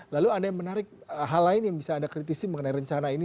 lalu ada yang menarik hal lain yang bisa anda kritisi mengenai rencana ini